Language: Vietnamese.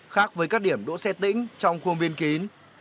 khác với các điểm đỗ xe tĩnh trong khuôn biên kín